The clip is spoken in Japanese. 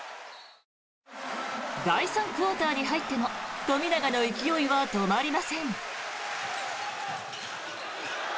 第３クオーターに入っても富永の勢いは止まりません。